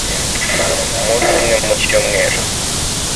umunsi umwe mu cyumweru